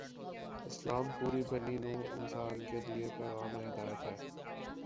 اسلام پوری بنی نوع انسان کے لیے پیغام ہدایت ہے۔